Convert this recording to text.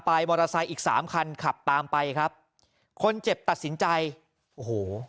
มอเตอร์ไซค์อีกสามคันขับตามไปครับคนเจ็บตัดสินใจโอ้โห